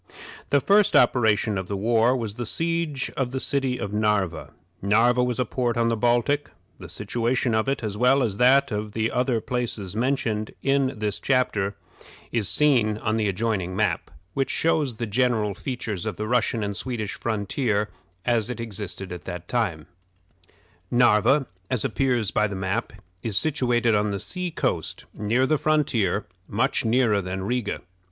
The first operation of the war was the siege of the city of Narva. Narva was a port on the Baltic; the situation of it, as well as that of the other places mentioned in this chapter, is seen by the adjoining map, which shows the general features of the Russian and Swedish frontier as it existed at that time. [Illustration: Map of the Russian and Swedish frontier.] Narva, as appears by the map, is situated on the sea coast, near the frontier much nearer than Riga.